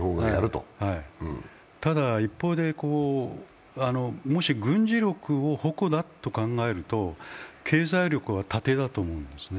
ただ一方でもし軍事力を矛だと考えると経済力は盾だと思うんですね。